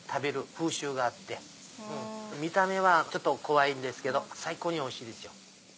見た目はちょっと怖いんですけど最高においしいですよ。